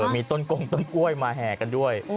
มีต้นกงต้นกล้วยมาแห่กันด้วย